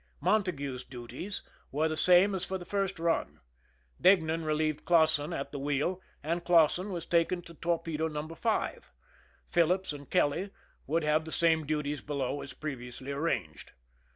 Montague's duties were the same as for the first run. Deignan relieved Clausen at the wheel, and Clausen was taken to torpedo No. 5. Phillips and Kelly would have the same duties below as pre viously arranged.